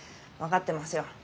分かってますよ。